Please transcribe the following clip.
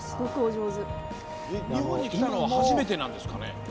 日本に来たのは初めてなんですか？